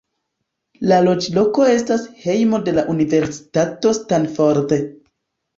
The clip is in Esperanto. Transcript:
La loĝloko estas hejmo de la Universitato Stanford.